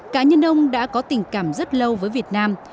cá nhân ông đã có tình cảm rất lâu với việt nam